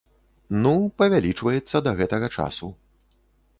Ну, павялічваецца да гэтага часу.